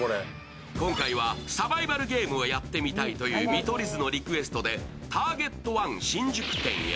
今回は、サバイバルゲームをやってみたいという見取り図のリクエストでＴＡＲＧＥＴ−１新宿店へ。